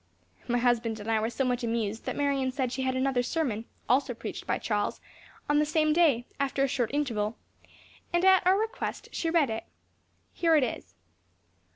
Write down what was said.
My husband and I were so much amused, that Marion said she had another sermon, also preached by Charles, on the same day, after a short interval; and at our request she read it. Here it is.